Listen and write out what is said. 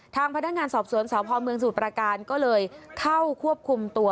ทางพนักงานสอบสวนสพเมืองสมุทรประการก็เลยเข้าควบคุมตัว